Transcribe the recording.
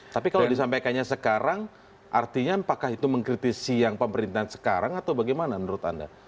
tapi kalau disampaikannya sekarang artinya apakah itu mengkritisi yang pemerintahan sekarang atau bagaimana menurut anda